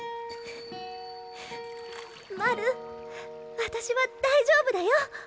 マル私は大丈夫だよ。